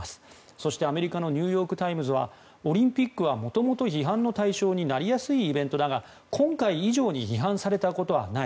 そして、アメリカのニューヨーク・タイムズはオリンピックは元々批判の対象になりやすいイベントだが今回以上に批判されたことはない。